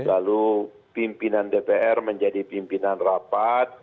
lalu pimpinan dpr menjadi pimpinan rapat